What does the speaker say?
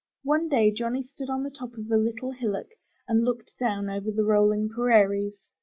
One day Johnny stood on the top of a little hillock and looked down over the rolling prairies.